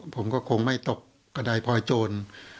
ผมก็คงไม่ตกกระดายพลอยโจร